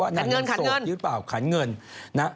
นางเงินโสดหรือเปล่าขันเงินนะ